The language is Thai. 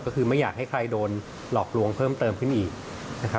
ก็คือไม่อยากให้ใครโดนหลอกลวงเพิ่มเติมขึ้นอีกนะครับ